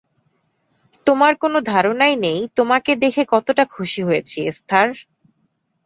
তোমার কোনো ধারণাই নেই তোমাকে দেখে কতোটা খুশি হয়েছি, এস্থার।